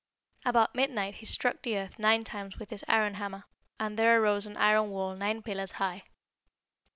"About midnight he struck the earth nine times with his iron hammer, and there arose an iron wall nine pillars high.